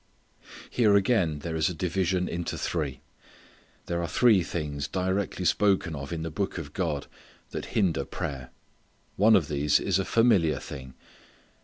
Here again there is a division into three. There are three things directly spoken of in the book of God that hinder prayer. One of these is a familiar thing.